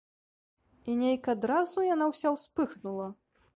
І нейк адразу яна ўся ўспыхнула.